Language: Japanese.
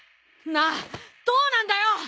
なあどうなんだよ！